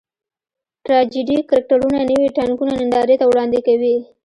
ټراجېډي کرکټرونه نوي ناټکونه نندارې ته وړاندې کوي.